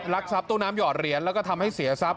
ลักซับตู้น้ำหยอดเหรียญแล้วก็ทำให้เสียซับ